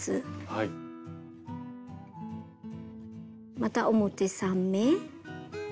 また表３目。